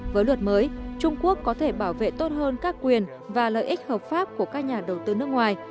với luật mới trung quốc có thể bảo vệ tốt hơn các quyền và lợi ích hợp pháp của các nhà đầu tư nước ngoài